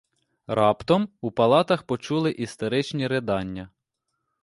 Раптом у палатах почули істеричні ридання.